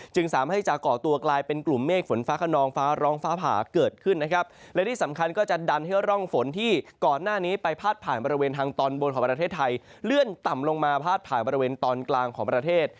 สามารถให้จะก่อตัวกลายเป็นกลุ่มเมฆฝนฟ้าขนองฟ้าร้องฟ้าผ่าเกิดขึ้นนะครับและที่สำคัญก็จะดันให้ร่องฝนที่ก่อนหน้านี้ไปพาดผ่านบริเวณทางตอนบนของประเทศไทยเลื่อนต่ำลงมาพาดผ่านบริเวณตอนกลางของประเทศ